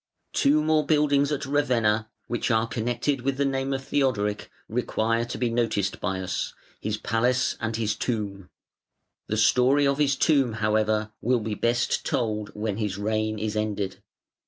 Two more buildings at Ravenna which are connected with the name of Theodoric require to be noticed by us, his Palace and his Tomb. The story of his Tomb, however, will be best told when his reign is ended.